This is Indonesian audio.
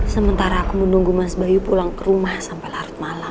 sementara aku menunggu mas bayu pulang ke rumah sampai larut malam